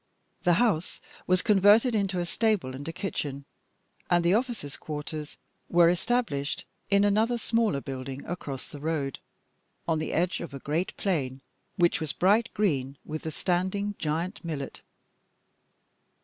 The house was converted into a stable and a kitchen, and the officers' quarters were established in another smaller building across the road, on the edge of a great plain, which was bright green with the standing giant millet.